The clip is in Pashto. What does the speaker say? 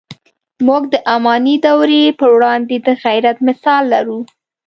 موږ د اماني دورې پر وړاندې د غیرت مثال لرو.